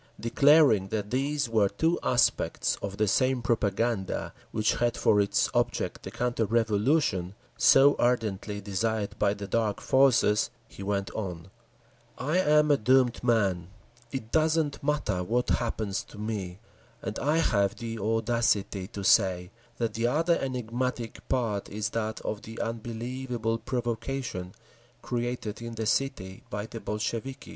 Declaring that these were two aspects of the same propaganda, which had for its object the counter revolution, so ardently desired by the Dark Forces, he went on: "I am a doomed man, it doesn't matter what happens to me, and I have the audacity to say that the other enigmatic part is that of the unbelievable provocation created in the city by the Bolsheviki!"